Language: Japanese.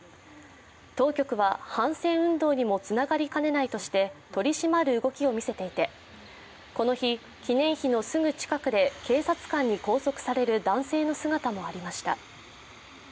当局は反戦運動にもつながりかねないとして取り締まる動きを見せていて、この日、記念碑のすぐ近くで警察官に拘束される男性の姿もありました。